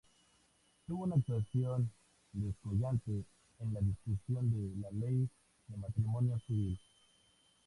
Tuvo una actuación descollante en la discusión de la Ley de Matrimonio Civil.